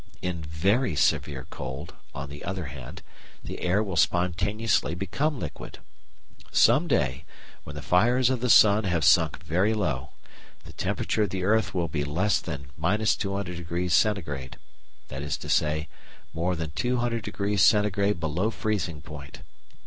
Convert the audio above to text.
In very severe cold, on the other hand, the air will spontaneously become liquid. Some day, when the fires of the sun have sunk very low, the temperature of the earth will be less than 200° C.: that is to say, more than two hundred degrees Centigrade below freezing point.